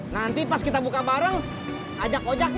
nanti pas kita buka bareng ajak ajak nggak ngapain